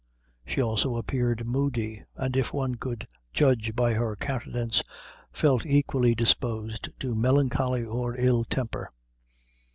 She also appeared moody; and if one could judge by her countenance, felt equally disposed to melancholy or ill temper.